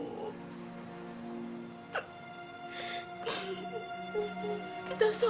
dina gak tau